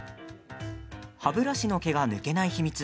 歯ブラシの毛が抜けない秘密。